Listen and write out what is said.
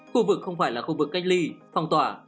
khu vực không phải là khu vực cách ly phong tỏa